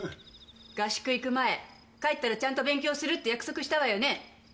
合宿行く前帰ったらちゃんと勉強するって約束したわよね？